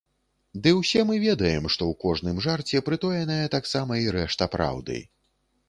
Ды ўсе мы ведаем, што ў кожным жарце прытоеная таксама і рэшта праўды.